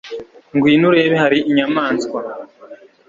ngwino urebe hari inyamaswa